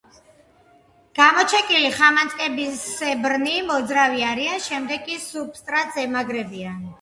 გამოჩეკილი ხამანწკასებრნი მოძრავი არიან, შემდეგ კი სუბსტრატს ემაგრებიან.